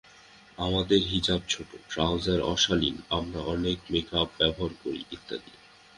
আমাদের হিজাব ছোট, ট্রাউজার অশালীন, আমরা অনেক মেক-আপ ব্যবহার করি, ইত্যাদি।